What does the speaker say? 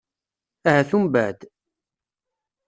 Ahat umbeɛd.